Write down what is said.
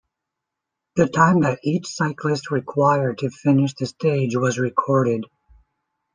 The time that each cyclist required to finish the stage was recorded.